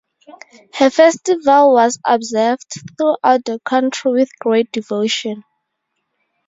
Her festival was observed throughout the country with great devotion.